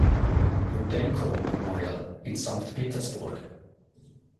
Rudenko-Memorial" in Sankt Petersburg.